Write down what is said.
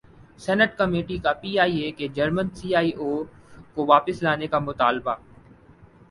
senate committee کا P I A کے German C E O کو واپس لانے کا مطالبہ